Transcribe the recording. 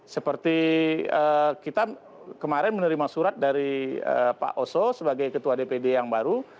seperti kita kemarin menerima surat dari pak oso sebagai ketua dpd yang baru